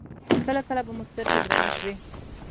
کله کله به مو سترګې درنې شوې.